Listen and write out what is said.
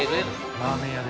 ラーメン屋で？